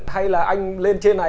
hay là anh lên trên này